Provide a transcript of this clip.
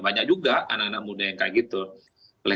banyak juga anak anak muda yang berani